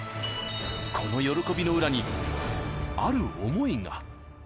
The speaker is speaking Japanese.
この喜びの裏に、ある想いが。